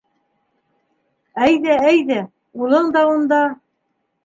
— Әйҙә, әйҙә, улың да унда.